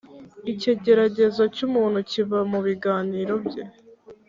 ikigeragezo cy’umuntu kiba mu biganiro bye.